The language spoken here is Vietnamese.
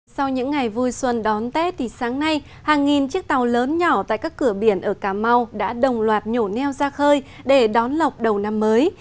sau những ngày vui xuân đón tết thì sáng nay hàng nghìn chiếc tàu lớn nhỏ tại các cửa biển ở cà mau đã đồng loạt nhổ neo ra khơi để đón lọc đầu năm mới